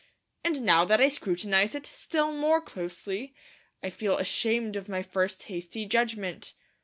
And now that I scrutinize it still more closely, I feel ashamed of my first hasty judgement.